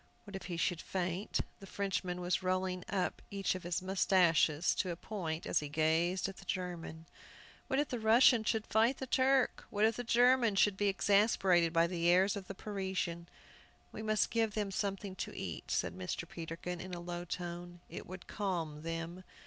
What if he should faint? The Frenchman was rolling up each of his mustaches to a point as he gazed at the German. What if the Russian should fight the Turk? What if the German should be exasperated by the airs of the Parisian? "We must give them something to eat," said Mr. Peterkin, in a low tone. "It would calm them."